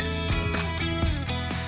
sediqah ya bang ya